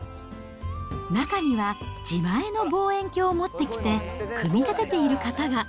中には自前の望遠鏡を持ってきて、組み立てている方が。